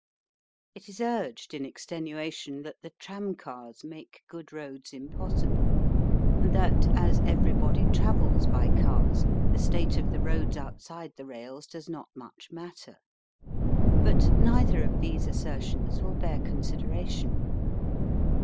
It is urged in extenuation that the tram cars make good roads impossible, and that, as everybody travels by cars, the state of the roads outside the rails does not much matter. But neither of these assertions will bear con sideration.